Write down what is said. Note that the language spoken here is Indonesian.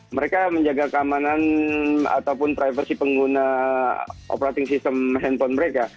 mereka menjaga keamanan ataupun privasi pengguna operating system handphone mereka